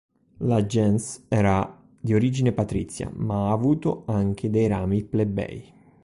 La gens era di origine patrizia, ma ha avuto anche dei rami plebei.